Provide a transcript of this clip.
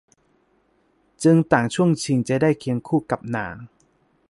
จึงต่างช่วงชิงจะได้เคียงคู่กับนาง